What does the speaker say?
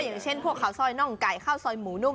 อย่างเช่นพวกข้าวซอยน่องไก่ข้าวซอยหมูนุ่ม